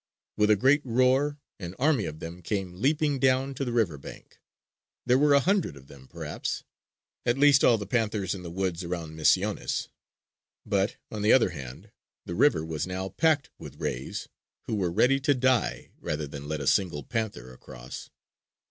With a great roar an army of them came leaping down to the river bank. There were a hundred of them, perhaps; at least all the panthers in the woods around Misiones. But, on the other hand, the river was now packed with rays, who were ready to die, rather than let a single panther across.